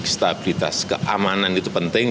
stabilitas keamanan itu penting